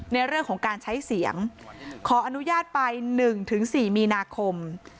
ในเรื่องของการใช้เสียงขออนุญาตไปหนึ่งถึงสี่มีนาคม